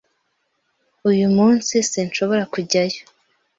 Uyu munsi sinshobora kujyayo.